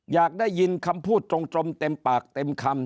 อยากได้ยินคำพูดตรงเต็มปากเต็มคำ